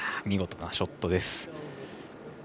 見事なショットです。